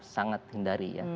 sangat hindari ya